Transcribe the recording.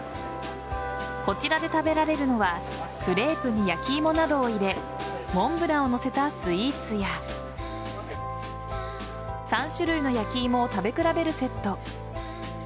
こちらで食べられるのはクレープに焼き芋などを入れモンブランを載せたスイーツや３種類の焼き芋を食べ比べるセット。